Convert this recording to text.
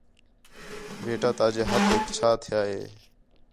بیٹا تاجے ہتھیک چا تیا ہے؟